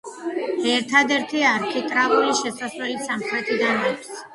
ერთადერთი არქიტრავული შესასვლელი სამხრეთიდან აქვს.